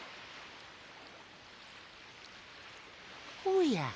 おや？